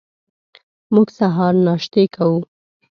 موږ سهار ناشتې کوو.